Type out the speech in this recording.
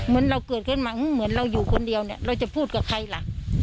เราเกิดขึ้นมาเหมือนเราอยู่คนเดียวเนี่ยเราจะพูดกับใครล่ะ